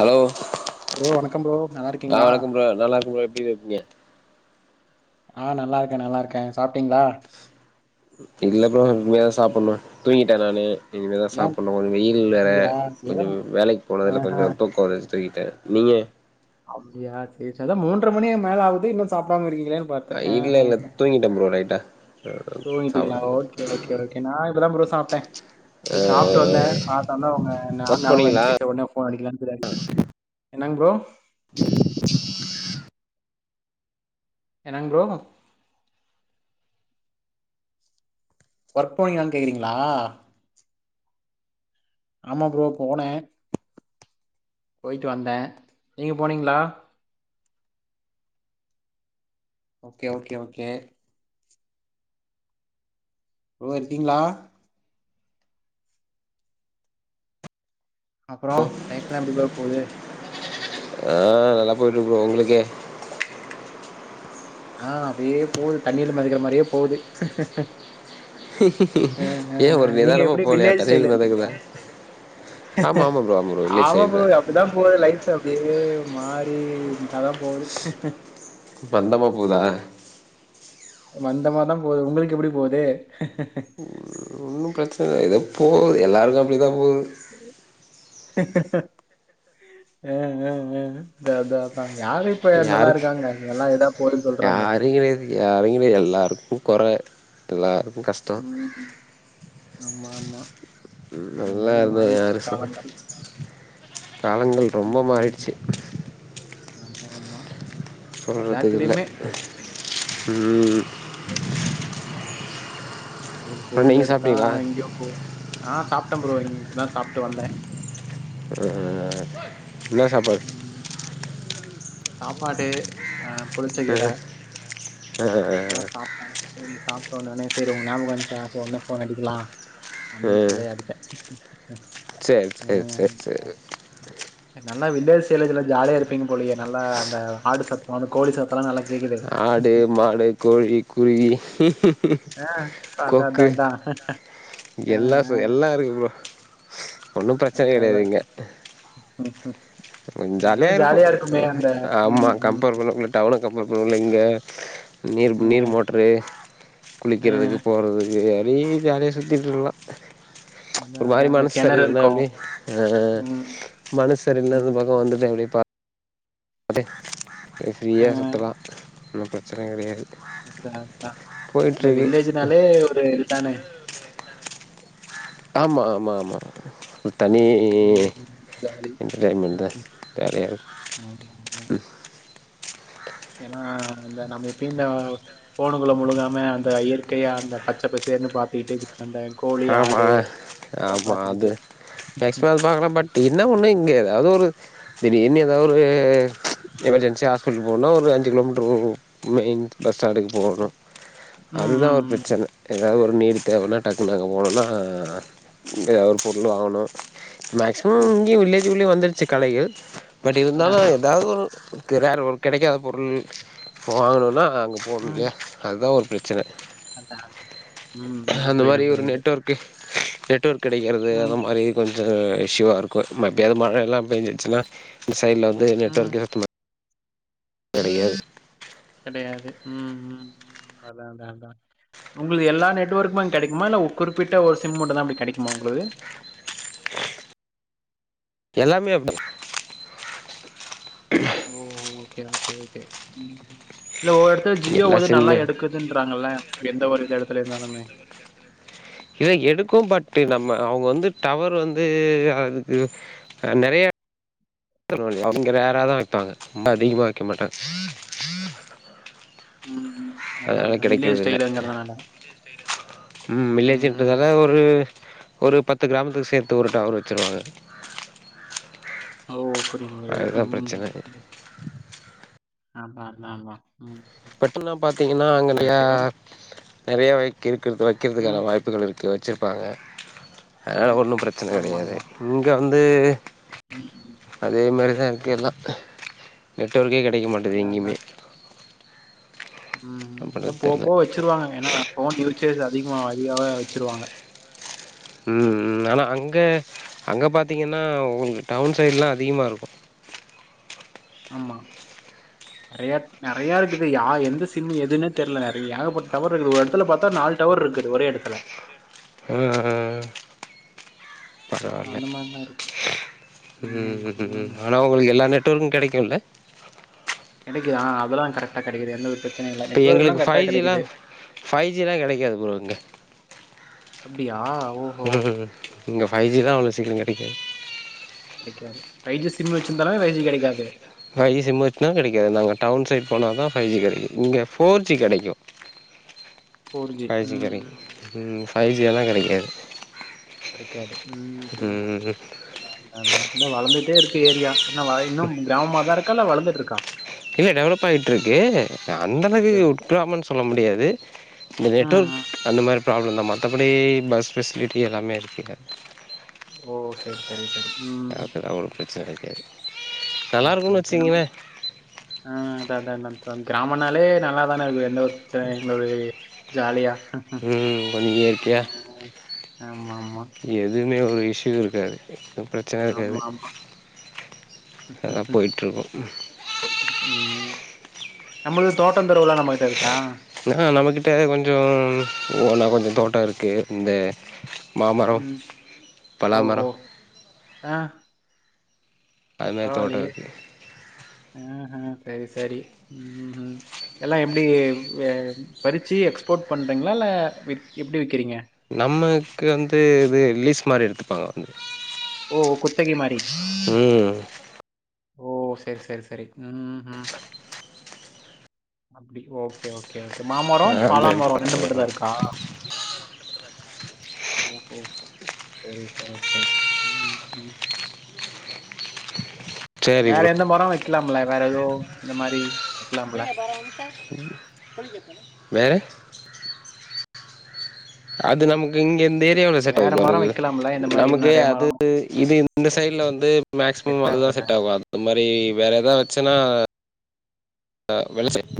Hello bro வணக்கம் bro ஆ நல்லாருக்கீங்களா வணக்கம் ப்ரோ [unintelligible] ஆஹ் நல்லாருக்கேன் நல்லாருக்கேன் சாப்ட்டீங்களா இல்ல ப்றோ இனிமேதா சாப்டனும் தூங்கிட்டே நானு இனிமேல்தான் ஏன் சாப்படணும் கொஞ்சம் வெயில்ல அப்டியா ஏதோ கொஞ்சம் வேலைக்கு போனதுல ஆஹா கொஞ்சம் தூக்கம் வருது [unintelligible] நீங்க அப்படியா செரி செரி மூன்ற மணிக்கு மேல ஆகுது இன்னும் சாப்படாம இருக்கீங்க இல்லல்ல தூங்கிட்டேன் ப்ரோ லையிட்டா தூங்கிட்டீங்களா. ஓகே ஓகே ஓகே நான் இப்பதான் ப்ரோ சாப்பிட்டேன். ஆ சாப்பிட்டு வந்தே பார்த்தோனியும் உங்க ஒர்க் நாபகம் போனீங்களா வந்துச்சு போன் அடிக்கலாம்னு அடுச்சு என்னாங் ப்ரோ [unintelligible] என்னங் ப்ரோ ஒர்க் போனிங்ளான் கேக்றீங்ளா ஆமா ப்ரோ போனே போயிட்டு வந்தே நீங்க போனீங்களா ஓகே ஓகே ஓகே ப்ரோ இருக்கீங்களா அப்றோ லைஃப்லா எப்டி ப்ரோ போது ஆஹ் நல்லா பொய்ட்ருக்கு ப்ரோ ஒங்ளுக்கு ஆஹ் அப்டியே போது தண்ணில மெதக்கற மாரியே போது அ அ ஏ அ ஒரு நீங்க நிதானமா எப்டி போலையா வில்லேஜ் ஸ்டைல தண்ணில இருக்கீங்ளா மெதக்குதே ஆமா ஆமா ப்ரோ ப்ரோ வில்லேஜ் ஆமா சைடு தா ப்ரோ அப்டிதா போது லைஃப்ல அப்டியே [unintelligible] அப்டி கதா போவுது மந்தமா போ தா மந்தமா தா போது உங்ளுக்கு எப்டி போது உ ஒன்னு பிரெச்சன இல்ல எதோ போவுது எல்லாருக்கு அப்டிதா போது ஆஹ் ஆஹ் ஆஹ் அதா அதா அதா யாருக் போகுதுன்னு சொல்றாங்க. யாருங்கெடையாது யாருங்கெடையாது எல்லாருக்கு கொற எல்லாரு ம் ம் ஆமா ஆமா அந்த நல்லா மாரி இருந்தோ மாறிட்ச்சி யாரு சொல்ல காலங்கள் காலங்கள் ரொம்ப ம். மாறிட்ச்சி ஆமா ஆமா சொல்றதுக்கு இல்ல எல்லாத்துலயுமே உம் ஒரு பொருள நீங்க எடுத்தா சாப்ட்டீங்களா எங்கேயோ போ ஆ சாப்புட்டே ப்ரோ இங்க இப்ப தா சாப்புட்டு வந்தே உம் ஓய் என்னா சாப்பாட் ம். சாப்பாடு ஆ புளிச்ச ஆ கீர ஆ அதா ஆ சாப்ட்டே செரி சாப்ட்டு வந்தோனே செரி உங்க ஞாபகோ வந்ச்சா செரி ஒடனே ஃபோன் அடிக்கலா அப்டின்னு சொல்லி எடுத்தே செரி செரி செரி செரி ஓக்கே நல்லா வில்லேஜ் சைடுலா இதேல்லா ஜாலியா இருப்பீங்க போலயே நல்லா அந்த ஆடு சத்த அந்த கோழி சத்தோலா நல்ல ஆடு மாடு கோழி குருவி ஆ, அதான் கொக்கு அதான் அதான் ஆ, எல்லா ஆ, சத்தோ எல்லா இருக்கு ப்ரோ ஒன்னு பிரச்சனை அதான், கெடயாது அதான். இங்க கொஞ்சோ ஆஹ் ஜாலியா நல்லா இருக்கு இருக்குமே அந்த ம் ஆமா ம் கம்பேர் பண்ணல டவுனு கம்பேர் பண்ணல இங்கே நீர் ம், நீர் மோட்ரு ஆ, குளிக்கிறதுக்கு போறதுக்கு வே ஜாலியா சுத்திட்டு இருக்கலா அதான் ஒரு மாரி அதான் அந்த மனசு கிணறு செரியில்னா இருக்கும் எப்டி ஆ ம் மனசு செரியில் ம், [unintelligible] அது ஆ, ஃபீரியா சுத்தலா ஒன்னு பிரச்சன கெடயாது அத்தா அத்தா இந்த வில்லேஜ்னாலே ஒரு இதுதானே ஆமா ஆமா ஆமா ம் தனி ம் ம், ஜாலி என்டடைன்மென்ட் தா வேற ஆமா ஆமா [unintelligible] ம் ஏன்னா இந்த நம்ம எப்பயு இந்த போனுகுல முழுகாம அந்த இயற்கையா அந்த பச்சை பசேல்ன்னு பாத்துக்கிட்டு அந்த கோழி ஆமா ஆடு இதெல்லாம் ஆமா பாத்துக்கிட்டு அது நெக்ஸ்ட் [unintelligible] பாக்கலா பட் என்ன ஒண்ணு இங்கயெதாவது ஒரு தீடிர்னு ஏதாவ ஒரு எமர்ஜென்சி ஹஸ்பிட்டல் போனுனா ஒரு அஞ்சு கிலோமீட்டர் போனு மெயின் பஸ் சண்டைக்கு போகணு ம் அதுதா ம் ஒரு ம் பிரச்சன எதாது ஒரு நீடு தேவனா டக் குனு அங்க போனன்னா எதா ஒரு பொருள் வாங்கணு ஓ மேக்சிமம் இங்கயு வில்லேஜ்குள்ளயே வந்து ச்ச கலைகள் பட் அதான் இருந்தாலு அதான் எதாது ஒரு கிறார் ஒரு கெடைக்காத பொருள் போ வாங்கணுன்னா போணுலியா அதா ஒரு பிரச்சன அதா அதா அந்த மாரி ஒரு நெட்ஒர்க்கு நெட்வொர்க் கெடக்கிறது அந்த ம் மாரி கொஞ் கொஞ்ச இஷ்யூவா இருக்கு மத்யானமழயெல்லா பேஞ்சுடுச்சுன்னா சைடுலந்து ம் நெட்வொர்க் கேக்கமா கெடையாது கெடையாது ம் ம் அதா அதா அதா உங்குளுது எல்லா நெட்ஒர்க்குமே அங்க கெடைக்குமா இல்ல குறிப்பிட்ட ஒரு சிம் மட்டுந்தா அப்டி கெடைக்குமா உங்ளுது எல்லாமே அப்டி ஓ ஓகே ஓகே ஓகே ம் இல்ல ஒரொரு எடத்துல ஜியோ எல்லா வந்து நல்லா சிம்மே எடுக்குதுன்றாங்கல்ல எந்த ஒரு எட த்துல இருந்தாலுமே இல்ல எடுக்கு பட் நம்ம அவங்க வந்து டவர் வந்து அதுக்கு நெறையா அவங்க ரேராதா வெப்பவாங்க ரொம்ப அதிகமா வெக்க மாட்டாங்க ம். அதான், அதனால அதான். வில்லேஜ் கெடைக்கறதில்ல ஸ்டைலுங்கிறதுனால. ம் வில்லேஜுன்றதால ஒரு ஒரு பத்து கிராமத்துக்கு சேத்து ஒரு டவர் வெச்சருவாங்க ஓ புரியுது புரியுது ம் அதா அதா அதா பெட்டெல்லா பாத்திங்கனா நெறையா சரி. நெறையா வகிக்கு ருது வக்கிறதுக்கான ம். வாய்ப்புகள் இருக்கு க்க வெச்சுருப்பாங்க அதனால சரி, ஒன்னு சரி. பிரச்சனை ஆமா, கெடையாது ஆமா. இங்க வந் து ம். ம். அதே மாரிதா எல்லா நெட்ஒர்க்கே கெடைக்க மாட்டுது அதான், எங்கயுமே அதான். ம் இன்னு போவ போவ வச்சுிருவாங்க ஏனா போன் யூசேஜ் அதிகமா [unintelligible] வச்சிருவாங்க ம் ம் ஆனா அங்க அங்க பாத்தீங்கன்னா உங்க டவுன் சைடுல்லா அதிகமாருக்கு ஆமா நெறைய நெறைய இருக்குது யா எந்த சிம் எதுன்னே தெர்ல நிறை ஏகபட் டவர் இருக்குது ஒரு எடத்துல பாத்தா நாலு டவர் இருக்குது ஒரே எடத்துல ஆ ஆ ஸோ பரவால்ல அந்த மாரிலாம் இருக்கு. ம் ம் ஆனா உங்ளுக்கு எல்லா [unintelligible] கெடைக்குல்ல யா அதெல்லா கரெக்ட்டா கெடைக்குது எந்த ஒரு பிரச்சனையும் இல்ல. எங்களுக்கு நெட்வொர்க்லாம் கரெக்ட்டா ஃபைவ் ஜி தா கிடைக்குது. ஃபைவ் ஜிதா கெடைக்காது ப்ரோ இங்க அப்டியா ம் ம் இங்க பைவ் ஜி தா [unintelligible] [unintelligible] கெடைக்காது ஃபைவ் ஜி சிம் வச்சிருந்தாலு ஃபைவ் ஜி கெடைக்காது ஃபைவ் ஜி சிம் வச்சுனா கெடைக்காது நாங்க டவுன் சைட் போனா தா ஃபைவ் ஜி கெடைக்கு இங்க ஃபோர் ஜி கெடைக்கு ஃபோர் ஜி ம் ம் ஃபைவ் ஜியெல்லாம் கிடைக்காது கெடைக்காது ம் ம் வளந்துட்டேருக்கு ஏரியா இன்னும் வ- இன்னும் கிராமமா தான் இருக்கா இல்ல வளர்ந்துட்டு இருக்கா இல்ல டெவலப்பாய்ட்ருக்கு அந்த ஓகே அளவுக்கு ஓகே உட்கிராமனு சொல்ல முடியாது [inaudible] இந்த நெட் ம் ஒர்க் ம். அந்த மாரி ப்ராப்லம் தா மத்தபடி பஸ் ஃபெசிலிட்டி எல்லாமே இருக்குது ஓ செரி செரி செரி எனக்குதா அவ்ளோ பிரச்சன இருக்கு ஓகே ஓகே ணா ஆ அதா அதா ணா கிராமனாலே நல்லா தான இருக்கு [unintelligible] ஜாலியா ஆ ஆமா ஆமா எது [unintelligible] ஒரு இஷ்ஷு இருக்காது பிரச்சனை ஆமா இருக்காது ஆமா அதெல்லாம் போயிட்டுருக்கும் ம் நம்மளது தோட்டொ ஆ நம்மகிட்ட கொஞ்சோ ஓனா கொஞ்சோ தோட்டருக்கு இந்த மாமரொ ம் பலாமரொ ஓஹோ பரவாலியே ம் செரி செரி ம் ம் எல்லா எப்டி ஆ பறிச்சு எக்ஸ்போர்ட் பண்றீங்ளா இல்ல எப் எப்டி விக்கிறீங்க நம்மக்கு வந்து இது லீஸ் மாரி எடுத்துப்பாங்க வந்து ஓ! குத்தகை மாரி. ம் ஓ செரி செரி செரி ம் ம் அப்டி ஓகே ஓ கே ஓகே மாமர அந்த பலாமர ரெண்டு எடுத்து மட்டுந்தா இருக்கா செரி செரி செரி ம் ம் சரி வேற ப்ரோ எந்த மர வெக்கலாம்ல வேற எதோ இந்த மாரி வெக்கலாம்ல வேற அது நமக்கு இங்க இந் த ஏரியாவுல செட் ஆக வேற மரம் மாட்டங்து வைக்கலாம்ல? இந்த மாரி நமக்கு நெறைய அது மரம் இது இந்த சைட்ல வந்து மேக்சிமம் அதுதா செட் ஆகு அது மாரி வேற எதா வெச்சனா ஆ வெளச்சல்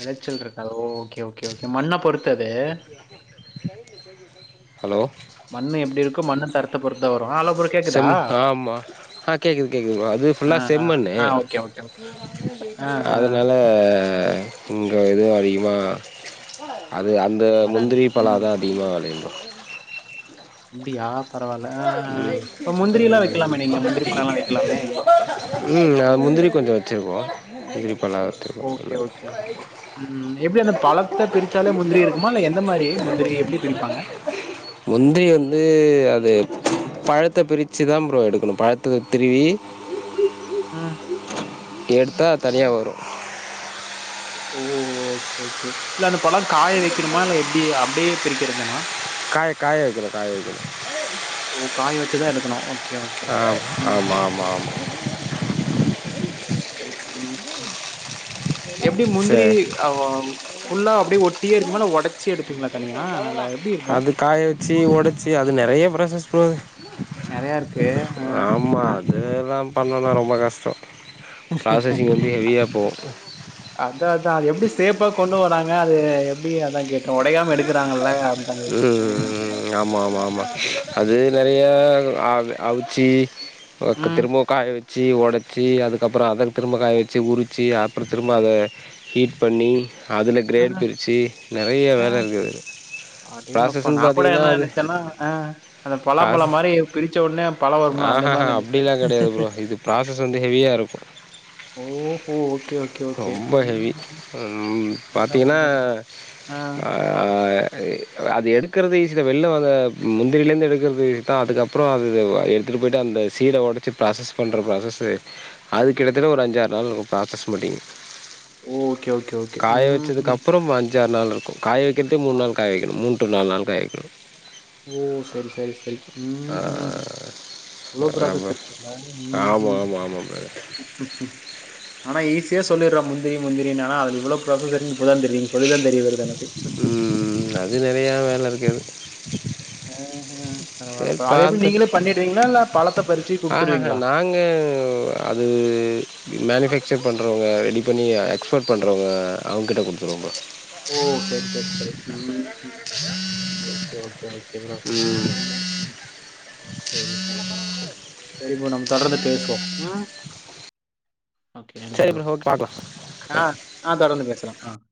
வெளச்சல் இருக்காது ஓகே ஓகே மண்ண பொறுத்து அது. ஹலோ த்த பொறுத் செம் ஆமா ஆ கேக்குது கேக்குதுங் அது ஆ, ஃபுல்லா ஆ. செம்மண்ணு ஆ ஓகே, ஓகே, ஓகே. ஆ, ஆ. அதனால இங்க எதுவு அதிகமா அது அந்த வராது. முந்திரி பழோ ம். தா அதிகமாக வெளையுமா அப்டியா ம் ம் வைக்கலாமே நீங்க. முந்திரி பழம்லாம் வைக்கலாமே? ம் ம் அது முந்திரி கொஞ்சோ வச்சிருக்கோ இ ஓகே ஓகே ஓகே ம் எப்டி அந்த பழத்த பிரிச்சாலே முந்திரி இருக்குமா இல்ல எந்த மாரி முந்திரி எப்டி பிரிப்பாங்க முந்திரி வந்து அது பழத்த பிரிச்சுதா ப்ரோ எடுக்கணு பழத்தத்த திருவி ம். எடுத்தா அது தனியா வரு ஓ ஓகே ஓகே இல்ல அந்த பழோ காய வைக்கணுமா இல்ல எப்டி அப்டியே பிரிக்கிறதானா அது காய வைக்கனு காய வைக்கணு ஓ காய வச்சுதா எடுக்கணு ஓகே ஓகே ஆ ஓகே ம் ஆமா ஆமா ஆமா சேரி சேரி சரி ம் எப்டி முந்திரி சரி அவ் ஃபுல்லா அப்டி ஒட் எப்படி இருக்கும்? அது காய வெச்சு ஒடச்சு அது நெறைய ப்ரா சஸ் போகுது நெறையா இருக்கு. ஆ. ஆமா ஆ. அதுதா பண்ணனா ரொம்ப கஷ்ட பிராஸஸிங் வந்து ஹெவியா போவு அதா அது எப்டி சேப்பா கொண்டு வராங்க அது எப்டி அதா கேட் ம் ஆ. ம் ஆமா ஆமா ஆமா அது நெறையா அ அ சீ [unintelligible] ம். திரும்பவு காயவெ சி ஒடச்சி அதுக்கப்புறோ அத திரும்பவு காய வெச்சி உரிச்சி அப்புறோ திரும்ப அத ஹீட் பண்ணி அதுல ஆ, கிரேட் பிரிச்சி நெறைய ஆ. வேல இருக்குது அதுல அடேங்கப்பா நா ப்ராசஸ்ன்னு கூட பாத்தீங்கன்னா என்ன அது நெனைச்சேன்னா அஹ் அந்த பலாம்பழோ ப்ராசஸ் மாரி பிரிச்ச உட்னே பழோ வரும்ல அந்த மாரி ஆஹஹா நெனைச்சே அப்டிலா கெடையாது ப்ரோ இது ப்ராசஸ் வந்து ஹெவியா இருக்கு ஓஹோ ஓகே ஓகே ஒகே ரொம்ப ஹெவி. ம்ம் ம் பாத்தீங்கன்னா ஆ அ அது எடுக்கறது ஈசி தா வெளில வந்த முந்திரிலேருந்து எடுக்கறது ஈசி தா அதுக்கப்புறோ அது எடுத்துட்டு போயிட்டு அந்த சீட ஒடச்சி ப்ராசஸ் பண்ற ப்ராசஸு அதுக்குக்கிட்டத்தட்ட ஒரு அஞ்சாறு நாள் ப்ராசஸ் மாட்டிங் ஓகே ஓகே ஓகே உம்ம் அஞ்சாறு நாள் இருக்கூ காய வெக்கறதே மூணு நாள் காய வெக்கிணோ மூன் நாலு நாள் காயவெக்கினே ஓ சேரி சேரி சேரி உம் ஆ ம் இவ்ளோ ப்ராசஸ் ஆமா. இருக்கா உம் ஆமா, ம் ஆமா, ஆமா பிரதர். ஆனா ஈசி ஈஸியா சொல்லிறோ முந்திரி முந்திரினு ஆனா அதுல இவ்ளோ ப்ராசஸ் இருக் இப்பதா தெரிது நீங்க சொல்லி தா தெரிய வருது எனக்கு ம் அது நெறையா வேல இருக்குது. ஆஹ் ஹா பரவால அது எப்டி நீங்களே பண்ணிடுவீங்ளா இல்லா பழத்த பறிச்சு ஆஹ் ஹ குடுத்துருவீங்களா? நாங்க அது மேனிஃபேக் செக் பண்றவங்க ரெடி பண்ணி எக்ஸ்போர்ட் பண்றவங்க அவுங்கிட்ட குடுத்துருவோ பா ஓ செரி செரி செரி உம் ஓகே ஓகே ஓக் எவ்றோ செரி செரிப்பா செரிப்பா நம்ப தொடர்ந்து பேசுவோ உம் ஓகே நன்றி சரி ப்ரோ ஓகே பாக்கலாம். ஆ ஆ தொடர்ந்து பேசலா ஆஹ்